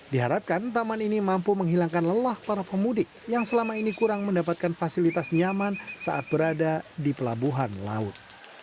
diharapkan taman ini mampu menghilangkan lelah para pemudik yang selama ini kurang mendapatkan fasilitas nyaman saat berada di pelabuhan laut